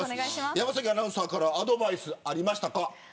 山崎アナウンサーからアドバイスありましたか。